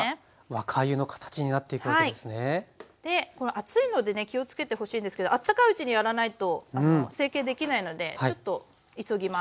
熱いのでね気をつけてほしいんですけどあったかいうちにやらないと成形できないのでちょっと急ぎます。